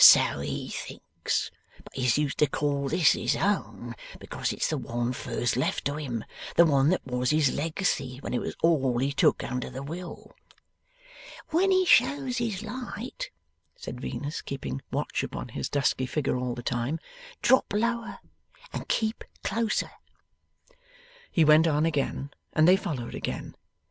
'So he thinks; but he's used to call this his own, because it's the one first left to him; the one that was his legacy when it was all he took under the will.' 'When he shows his light,' said Venus, keeping watch upon his dusky figure all the time, 'drop lower and keep closer.' He went on again, and they followed again.